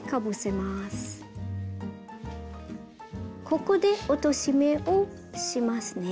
ここで落とし目をしますね。